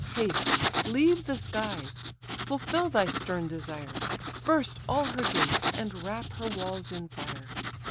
Haste, leave the skies, fulfil thy stern desire, Burst all her gates, and wrap her walls in fire!